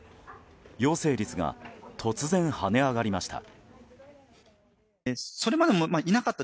陽性率が突然跳ね上がりました。